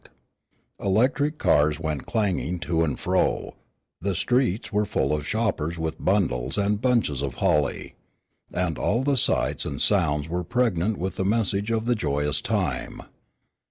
The electric cars went clanging to and fro, the streets were full of shoppers with bundles and bunches of holly, and all the sights and sounds were pregnant with the message of the joyous time.